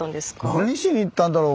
何しに行ったんだろう？